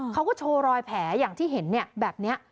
เขาก็โชว์รอยแผลอย่างที่เห็นแบบนี้